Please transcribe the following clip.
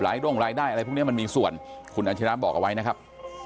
ด้งรายได้อะไรพวกนี้มันมีส่วนคุณอาชิระบอกเอาไว้นะครับ